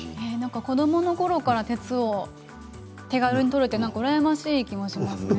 子どものころから鉄を手軽にとれてうらやましい気もしますね。